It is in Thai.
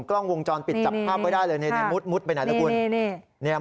กล้องวงจรปิดจับภาพไว้ได้เลยมุดไปไหนนะคุณ